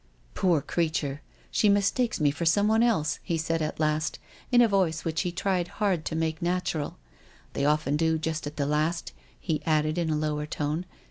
"Poor creature*! She mistakes me for someone else," he said at last, in a voice which he tried hard to make natural. " They often do, just at the last," he added in a lower tone.